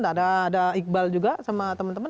ada iqbal juga sama teman teman